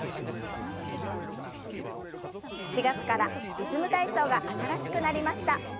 ４月から「リズム体操」が新しくなりました。